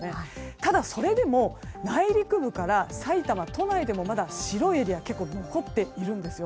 ただ、それでも内陸部から埼玉、都内でもまだ白いエリアが結構残っているんですよ。